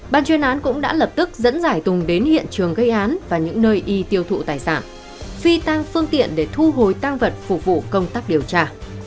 ban chuyên án cũng đã lập tức dẫn giải tùng đến hiện trường gây án và những nơi y tiêu thụ tài sản phi tăng phương tiện để thu hồi tăng vật phục vụ công tác điều tra